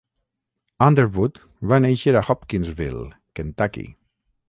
Underwood va néixer a Hopkinsville, Kentucky.